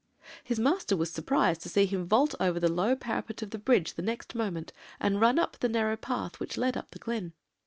"His master was surprised to see him vault over the low parapet of the bridge the next moment, and run up the narrow path which led up the glen.